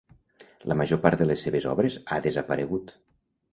La major part de les seves obres ha desaparegut.